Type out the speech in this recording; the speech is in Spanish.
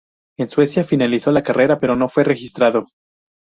En Suecia finalizó la carrera, pero no fue registrado.